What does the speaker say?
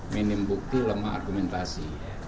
minim bukti lemah argumentasi